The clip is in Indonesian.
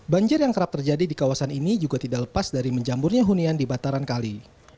banjir yang kerap terjadi di kawasan ini juga tidak lepas dari menjamburnya hunian di bataran kali